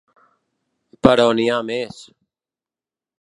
Però n’hi ha més.